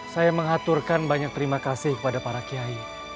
saya mengaturkan banyak terima kasih kepada para kiai